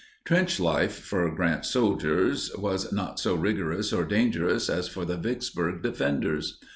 Trench life for Grant's soldiers was not so rigorous or dangerous as for the Vicksburg defenders.